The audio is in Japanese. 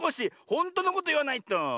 ほんとのこといわないと。